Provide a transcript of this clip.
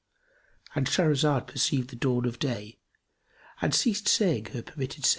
——And Shahrazad perceived the dawn of day and ceased saying her permitted say.